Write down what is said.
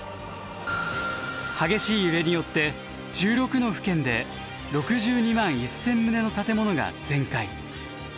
激しい揺れによって１６の府県で６２万１，０００棟の建物が全壊。